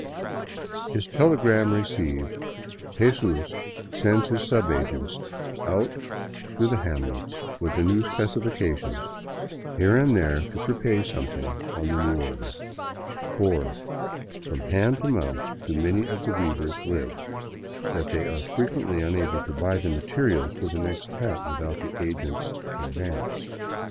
His telegram received, Jesus sends his subagents out through the hamlets with the new specifications, here and there to prepay some thing on the new order. For so from hand to mouth do many of the weavers live that they are frequently unable to buy the materials for the next hat without the agent's " advance."